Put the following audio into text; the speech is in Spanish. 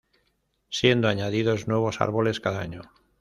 Siendo añadidos nuevos árboles cada año.